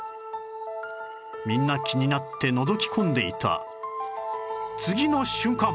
みんな気になってのぞき込んでいた次の瞬間